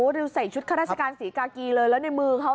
ริวใส่ชุดข้าราชการศรีกากีเลยแล้วในมือเขา